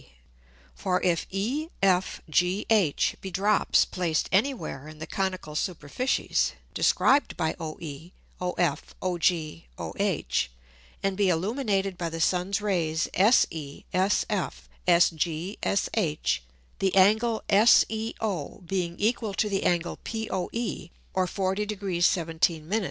For if E, F, G, H, be drops placed any where in the conical Superficies described by OE, OF, OG, OH, and be illuminated by the Sun's Rays SE, SF, SG, SH; the Angle SEO being equal to the Angle POE, or 40 Degr. 17 Min.